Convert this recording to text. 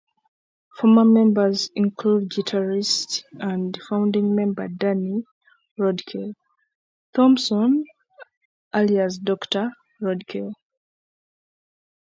Former members include guitarist and founding member Danny "Roadkill" Thompson, alias "Doctor Roadkill".